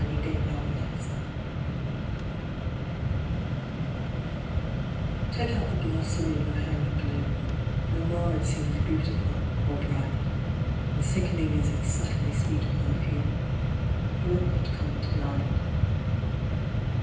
HE WILL NOT COME Take out the blossom in your hair abloom, No more it seemeth beautiful, or bright, And sickening is its subtly sweet perfume He will not come to night.